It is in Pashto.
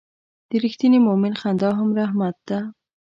د رښتیني مؤمن خندا هم رحمت ده.